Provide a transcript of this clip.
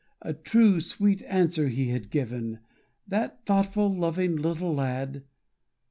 A true, sweet answer he had given, That thoughtful, loving little lad.